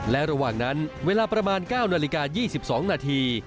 และระหว่างนั้นเวลาประมาณ๙นาฬิกา๒๒นาที